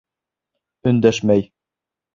Өндәшмәй.